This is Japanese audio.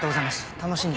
楽しんで。